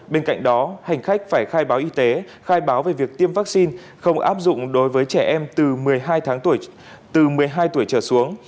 bên cạnh đó hành khách phải khai báo y tế khai báo về việc tiêm vaccine không áp dụng đối với trẻ em từ một mươi hai tuổi trở xuống